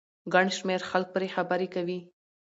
ګن شمېر خلک پرې خبرې کوي